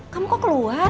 kamu kok keluar